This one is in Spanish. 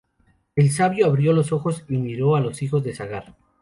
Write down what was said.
El sabio abrió los ojos y miró a los hijos de Sagar.